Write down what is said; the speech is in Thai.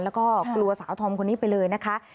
แล้วก็กลัวสาวธอมคนนี้ไปเลยนะคะ